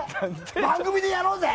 番組でやろうぜ！